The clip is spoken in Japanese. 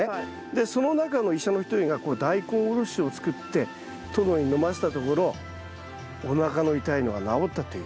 でその中の医者の一人がダイコンおろしを作って殿に飲ませたところおなかの痛いのが治ったという。